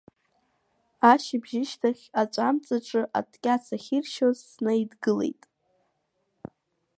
Ашьыбжьышьҭахь, аҵәа амҵаҿы аткьац ахьиршьоз снаидгылеит.